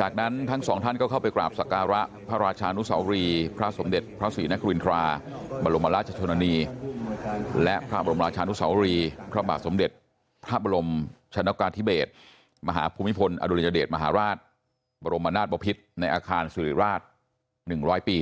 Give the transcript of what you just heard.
จากนั้นทั้งสองท่านก็เข้าไปกราบสักการะพระราชานุสวรีพระสมเด็จพระศรีนครินทราบรมราชชนนีและพระบรมราชานุสาวรีพระบาทสมเด็จพระบรมชนกาธิเบศมหาภูมิพลอดุญเดชมหาราชบรมนาศบพิษในอาคารสุริราช๑๐๐ปี